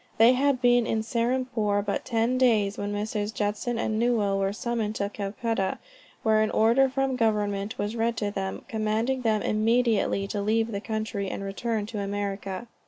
They had been in Serampore but ten days, when Messrs. Judson and Newell were summoned to Calcutta, where an order from government was read to them, commanding them immediately to leave the country, and return to America.